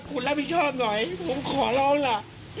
คุณรับผิดชอบหน่อยผมขอร้องล่ะ